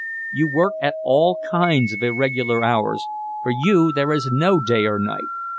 You work at all kinds of irregular hours, for you there is no day or night.